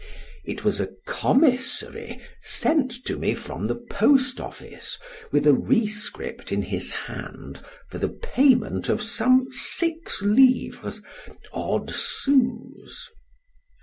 It was a commissary sent to me from the post office, with a rescript in his hand for the payment of some six livres odd sous.